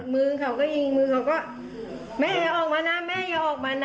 มือเขาก็ยิงมือเขาก็แม่อย่าออกมานะแม่อย่าออกมานะ